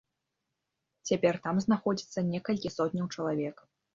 Цяпер там знаходзіцца некалькі сотняў чалавек.